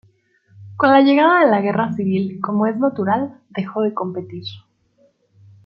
Con la llegada de la Guerra Civil, como es natural, dejó de competir.